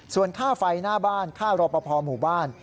ส่วนค่าไฟหน้าบ้านค่ารอปภหมู่บ้าน